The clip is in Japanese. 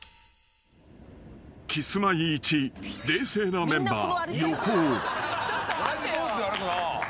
［キスマイいち冷静なメンバー］